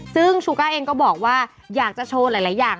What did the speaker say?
ซึ่งชูก้าเองก็บอกว่าอยากจะโชว์หลายอย่าง